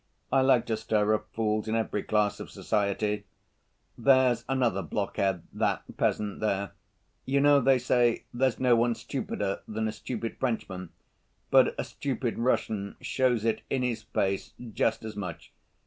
I like to stir up fools in every class of society. There's another blockhead, that peasant there. You know, they say 'there's no one stupider than a stupid Frenchman,' but a stupid Russian shows it in his face just as much.